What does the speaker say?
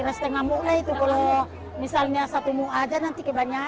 berarti berapa harganya sekarang satu oznya